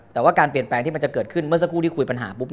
แต่ว่าการเปลี่ยนแปลงที่มันจะเกิดขึ้นเมื่อสักครู่ที่คุยปัญหาปุ๊บ